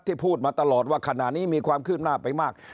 พูดมาตลอดว่าขณะนี้มีความคืบหน้าไปมาก